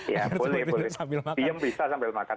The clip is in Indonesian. ya boleh boleh diem bisa sambil makan